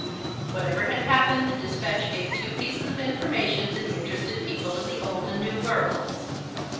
Whatever had happened the dispatch gave two pieces of information to the interested people of the old and new worlds.